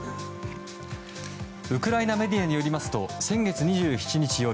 ウクライナメディアによりますと先月２７日夜